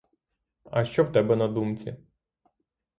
А що в тебе на думці?